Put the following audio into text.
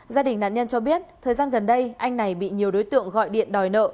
gia đình nạn nhân cho biết thời gian gần đây anh này bị nhiều đối tượng gọi điện đòi nợ